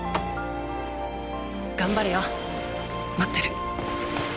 頑張れよ待ってる。